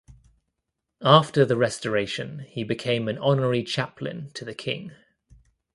After The Restoration he became an Honorary Chaplain to the King.